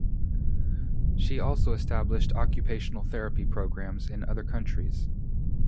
She also established occupational therapy programs in other countries.